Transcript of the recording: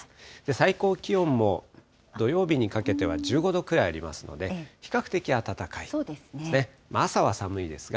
最高気温も土曜日にかけては１５度くらいありますので、比較的暖かいですね。